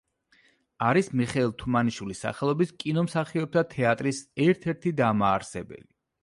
არის მიხეილ თუმანიშვილის სახელობის კინომსახიობთა თეატრის ერთ-ერთი დამაარსებელი.